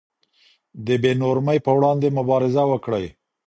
د بې نورمۍ پر وړاندې مبارزه وکړئ.